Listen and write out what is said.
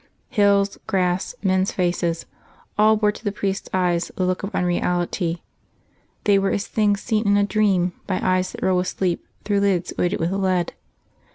Hills, grass, men's faces all bore to the priest's eyes the look of unreality; they were as things seen in a dream by eyes that roll with sleep through lids weighted with lead.